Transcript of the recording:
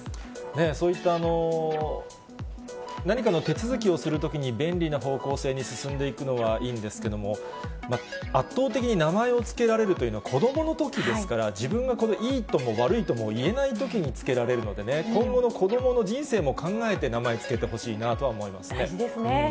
そういった何かの手続きをするときに便利な方向性に進んでいくのは、いいんですけども、圧倒的に、名前を付けられるというのは、子どものときですから、自分がいいとも悪いともいえないときに付けられるんでね、今後の子どもの人生も考えて、名前付けてほしいなとは思います